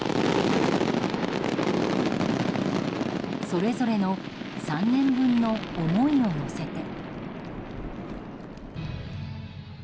それぞれの３年分の思いを乗せて。